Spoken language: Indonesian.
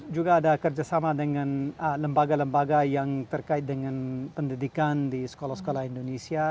juga ada kerjasama dengan lembaga lembaga yang terkait dengan pendidikan di sekolah sekolah indonesia